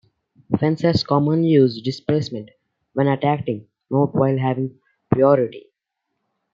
Fencers commonly use displacement when attacking while not having priority.